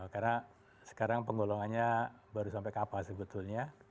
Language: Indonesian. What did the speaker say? karena sekarang penggolongannya baru sampai kappa sebetulnya